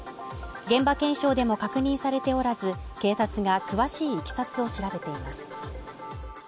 現場検証でも確認されておらず警察が詳しいいきさつを調べています